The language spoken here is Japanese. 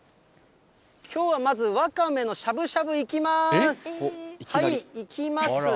きょうはまず、ワカメのしゃぶしゃぶいきます。